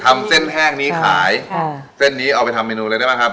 ทำเส้นแห้งนี้ขายค่ะเส้นนี้เอาไปทำเมนูเลยได้ไหมครับ